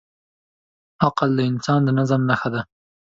عقل د انسان د نظم نښه ده.